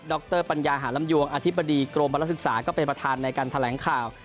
รปัญญาหาลำยวงอธิบดีกรมบรรศึกษาก็เป็นประธานในการแถลงข่าว